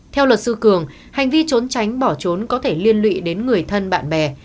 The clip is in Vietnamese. theo luật sư cường hành vi trốn tránh bỏ trốn có thể liên lụy đến người thân bạn bè